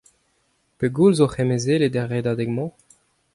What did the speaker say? Pegoulz oc'h emezelet er redadeg-mañ ?